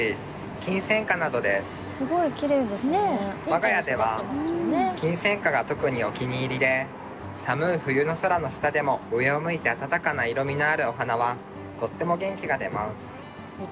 我が家ではキンセンカが特にお気に入りで寒い冬の空の下でも上を向いてあたたかな色みのあるお花はとっても元気が出ます。